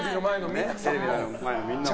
テレビの前のみんなも。